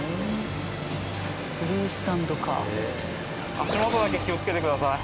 足元だけ気をつけてください。